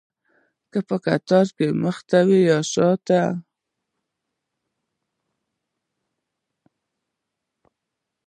که په قطار کې مخته وي یا شاته.